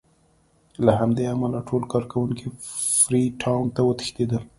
له همدې امله ټول کارکوونکي فري ټاون ته وتښتېدل.